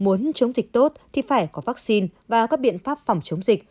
muốn chống dịch tốt thì phải có vaccine và các biện pháp phòng chống dịch